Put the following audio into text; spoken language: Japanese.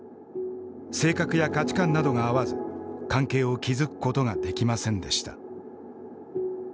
性格や価値観などが合わず関係を築くことができませんでした。